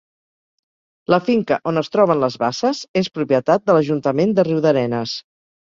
La finca on es troben les basses és propietat de l'Ajuntament de Riudarenes.